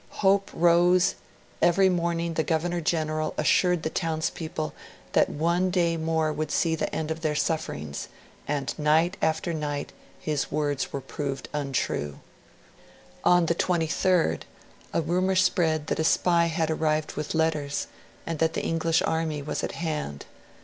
Hope rose; every morning the Governor General assured the townspeople that one day more would see the end of their sufferings; and night after night his words were proved untrue. On the 23rd, a rumour spread that a spy had arrived with letters, and that the English army was at hand.